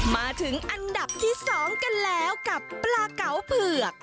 มาถึงอันดับที่๒กันแล้วกับปลาเก๋าเผือก